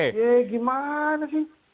ya gimana sih